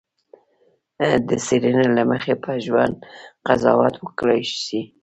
د څېړنې له مخې په ژوند قضاوت وکړای شي.